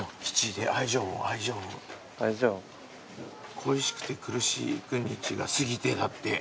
「恋しくて苦しい幾日が過ぎて」だって。